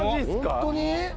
ホントに？